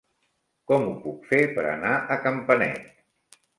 Com ho puc fer per anar a Campanet?